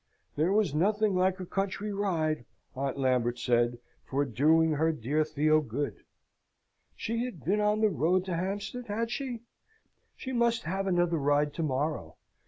"There was nothing like a country ride," Aunt Lambert said, "for doing her dear Theo good. She had been on the road to Hampstead, had she? She must have another ride to morrow.